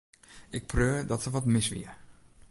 Ik preau dat der wat mis wie.